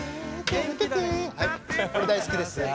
これ大好きです。